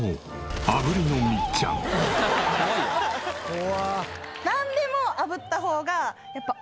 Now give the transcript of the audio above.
「怖」